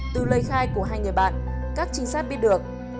từ lời khai của hai người bạn các trinh sát biết được